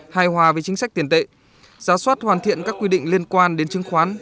hài hòa với chính sách tiền tệ giả soát hoàn thiện các quy định liên quan đến chứng khoán